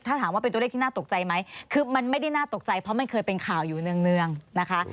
ถ้าถามว่าเป็นตัวเลขที่น่าตกใจไหมคือมันไม่ได้น่าตกใจเพราะมันเคยเป็นข่าวอยู่เนื่องนะคะ